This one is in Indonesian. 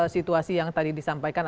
situasi yang tadi disampaikan